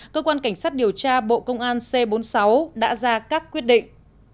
cơ quan cảnh sát điều tra bộ công an c bốn mươi sáu đã ra các quyết định